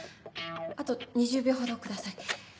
あと２０秒ほどください。